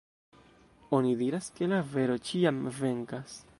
Oni diras, ke la vero ĉiam venkas.